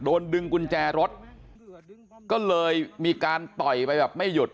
โดนดึงกุญแจรถก็เลยมีการต่อยไปแบบไม่หยุด